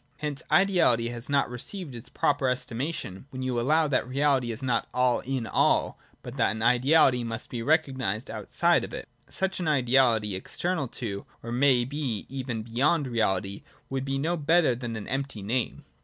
Hence ideahty has not received its proper estima tion, when you allow that reality is not all in all, but that an ideality must be recognised outside of it. Such an ideality, external to or it may be even beyond reality, would be no better than an empty name.